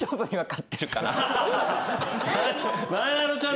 なえなのちゃん